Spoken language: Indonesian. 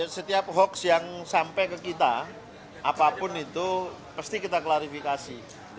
setiap hoax yang sampai ke kita apapun itu pasti kita klarifikasi